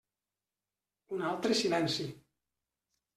Un altre silenci.